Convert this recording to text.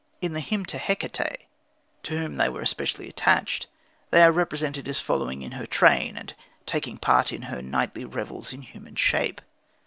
In the Hymn to Hecate, to whom they were especially attached, they are represented as following in her train and taking part in her nightly revels in human shape.